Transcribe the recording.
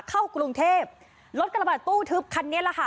เข้ากรุงเทพรถกระบาดตู้ทึบคันนี้แหละค่ะ